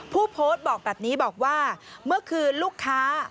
ผู้โพสต์บอกแบบนี้บอกว่าเมื่อคืนลูกค้า